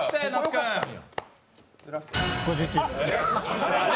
５１です。